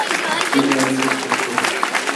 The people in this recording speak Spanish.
Tienen hábitos costeros.